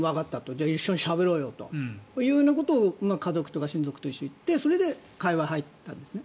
じゃあ一緒にしゃべろうよということを家族と親族と行って会話に入ったんですね。